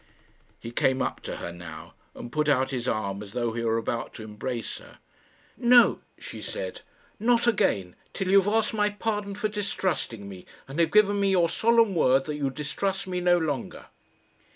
He came up to her now, and put out his arm as though he were about to embrace her. "No," she said; "not again, till you have asked my pardon for distrusting me, and have given me your solemn word that you distrust me no longer."